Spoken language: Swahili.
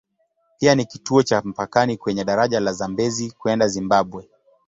Pia ni kituo cha mpakani kwenye daraja la Zambezi kwenda Zimbabwe.